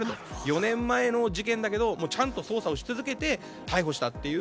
４年前の事件だけどちゃんと捜査をし続けて逮捕したという。